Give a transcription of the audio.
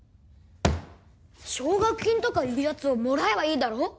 奨学金とかいうやつをもらえばいいだろ。